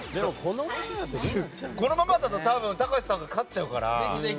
このままだと隆さんが勝っちゃうから。